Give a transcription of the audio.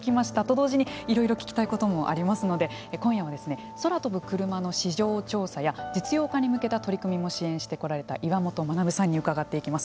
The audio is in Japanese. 同時にいろいろ聞きたいこともありますので今日は空飛ぶクルマの市場調査や実用化に向けた取り組みも支援してこられた岩本学さんに伺っていきます。